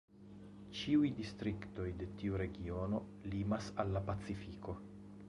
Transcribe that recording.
Ĉiuj distriktoj de tiu regiono limas al la pacifiko.